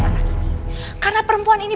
anak ini karena perempuan ini